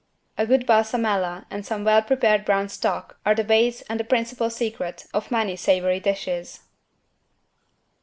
A good =Balsamella= and some well prepared brown stock are the base and the principal secret of many savory dishes.